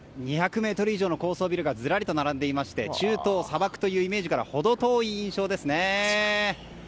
２００ｍ以上の高層ビルがずらりと並んでいまして中東、砂漠というイメージから程遠い印象ですね。